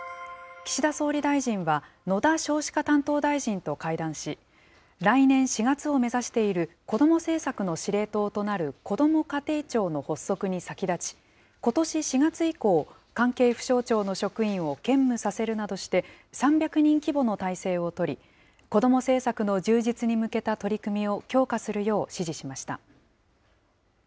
岸田総理大臣は、野田少子化担当大臣と会談し、来年４月を目指している子ども政策の司令塔となるこども家庭庁の発足に先立ち、ことし４月以降、関係府省庁の職員を兼務させるなどして、３００人規模の態勢を取り、子ども政策の充実に向けた取り組みを強化するよう指示しました。